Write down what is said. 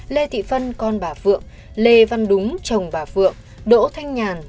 lê thị phân con bà phượng lê văn đúng chồng bà phượng đỗ thanh nhàn